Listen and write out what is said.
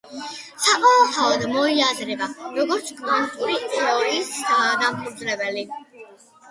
საყოველთაოდ მოიაზრება, როგორც კვანტური თეორიის დამფუძნებელი.